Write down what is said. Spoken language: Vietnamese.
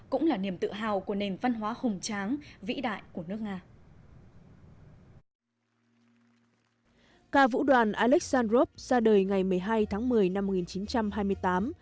ca vũ đoàn alexandrop ra đời ngày một mươi hai tháng một mươi năm một nghìn chín trăm hai mươi tám